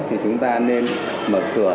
thì chúng ta nên mở cửa